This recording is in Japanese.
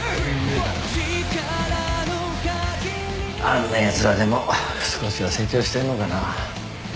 あんなやつらでも少しは成長してんのかな？